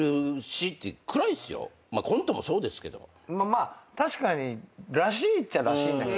まあ確かにらしいっちゃらしいんだけど。